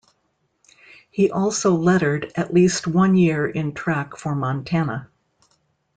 He also lettered at least one year in track for Montana.